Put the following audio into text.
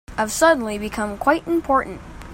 I've suddenly become quite important.